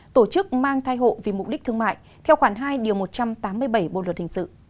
tổ chức mang thai hộ vì mục đích thương mại theo khoản hai một trăm tám mươi bảy bộ luật hình sự